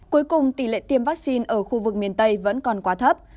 cuối cùng tỷ lệ tiêm vaccine ở khu vực miền tây vẫn còn quá thấp